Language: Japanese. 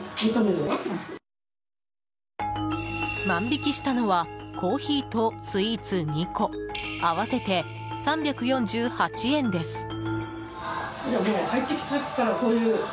万引きしたのはコーヒーとスイーツ２個合わせて３４８円です。